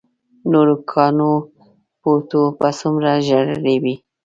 نورو کاڼو بوټو به څومره ژړلي وي.